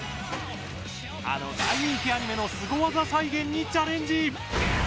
あの大人気アニメのスゴ技再現にチャレンジ！